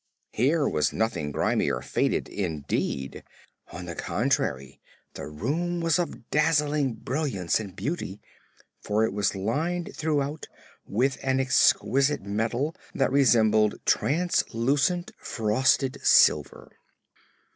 Here was nothing grimy or faded, indeed. On the contrary, the room was of dazzling brilliance and beauty, for it was lined throughout with an exquisite metal that resembled translucent frosted silver.